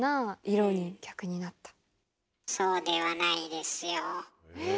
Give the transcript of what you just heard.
そうではないですよ。え？